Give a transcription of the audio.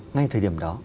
ngay thời điểm đó